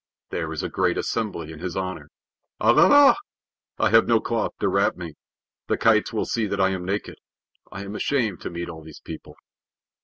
There is a great assembly in his honor. Alala! I have no cloth to wrap me. The kites will see that I am naked. I am ashamed to meet all these people.